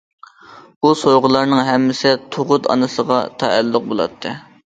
بۇ سوۋغىلارنىڭ ھەممىسى تۇغۇت ئانىسىغا تەئەللۇق بولاتتى.